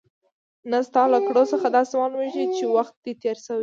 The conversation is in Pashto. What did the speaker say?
نه، ستا له کړو څخه داسې معلومېږي چې وخت دې تېر شوی.